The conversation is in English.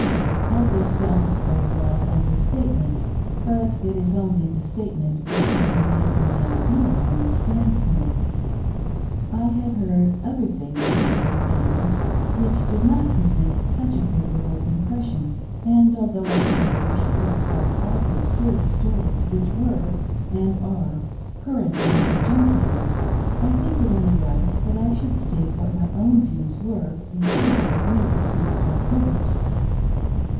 All this sounds very well as a statement, but it is only the statement which would be made from the ideal Mormon standpoint. I had heard other things about the Endowments' which did not present such a favorable impression, and although I do not wish to record all the absurd stories which were, and are, current among the Gentiles, I think it only right that I should state what my own views were before we received our privileges.